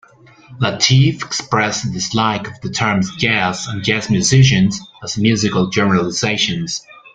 Lateef expressed a dislike of the terms "jazz" and "jazz musician" as musical generalizations.